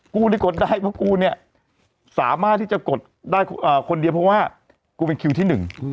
กูได้กดได้เพราะกูเนี่ยสามารถที่จะกดได้คนเดียวเพราะว่ากูเป็นคิวที่หนึ่ง